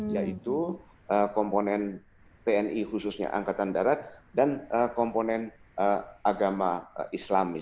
yaitu komponen tni khususnya angkatan darat dan komponen agama islam